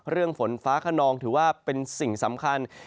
ฝนฟ้าขนองถือว่าเป็นสิ่งสำคัญ